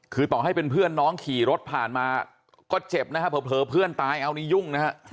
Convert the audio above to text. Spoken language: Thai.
คือต่อให้เป็นเพื่อนน้องขี่รถผ่านมาก็เจ็บนะฮะเผลอเพื่อนตายเอานี่ยุ่งนะฮะ